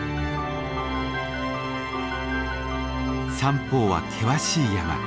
三方は険しい山。